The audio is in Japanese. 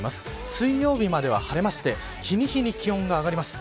水曜日までは晴れまして日に日に気温が上がります。